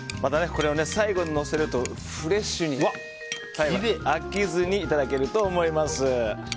これを最後にのせるとフレッシュになって飽きずにいただけると思います。